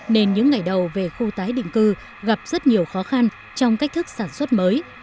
nên những ngày đầu về khu tái định cư gặp rất nhiều khó khăn trong cách thức sản xuất mới